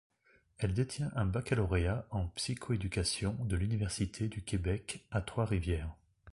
Elle détient un baccalauréat en psychoéducation de l'Université du Québec à Trois-Rivières.